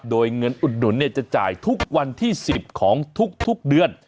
โดยเงินอุดหนุนจะจ่ายทุกวันที่๑๐ของทุกเดือน